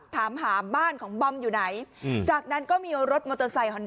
ถามหาบ้านของบอมอยู่ไหนจากนั้นก็มีรถมอเตอร์ไซคอน